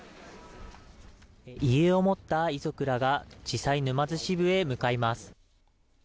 遺影を持った遺族らが、地裁沼津支部へ向かいます。